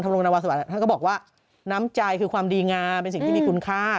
ลงนาวาสวัสดิท่านก็บอกว่าน้ำใจคือความดีงามเป็นสิ่งที่มีคุณค่า